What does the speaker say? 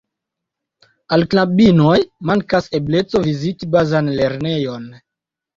Al knabinoj mankas ebleco viziti bazan lernejon.